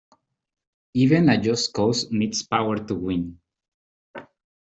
Even a just cause needs power to win.